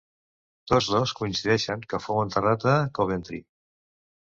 Tots dos coincideixen que fou enterrat a Coventry.